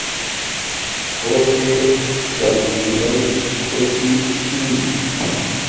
اݹ چے سلگیرݵ خوشی چھی